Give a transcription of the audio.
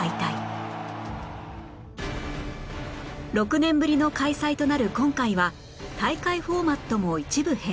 ６年ぶりの開催となる今回は大会フォーマットも一部変更